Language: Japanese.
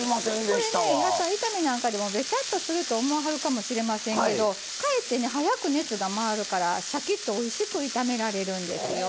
これね野菜炒めなんかでもべちゃっとすると思いはるかもしれませんけどかえってね早く熱が回るからシャキッとおいしく炒められるんですよ。